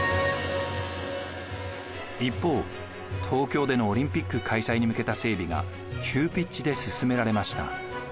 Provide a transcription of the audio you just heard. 一方東京でのオリンピック開催に向けた整備が急ピッチで進められました。